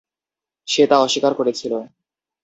সে তা অস্বীকার করেছিল।